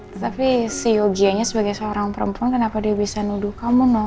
tetapi si yogyanya sebagai seorang perempuan kenapa dia bisa nuduh kamu